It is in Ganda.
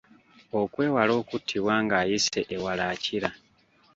Okwewala okuttibwa ng'ayise ewala akira.